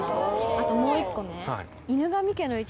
あともう１個ね。